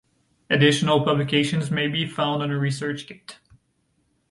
Additional publications may be found on Research Gate.